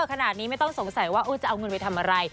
ขนาดนี้ไม่ต้องสงสัยว่าจะเอาเงินไปทำอะไร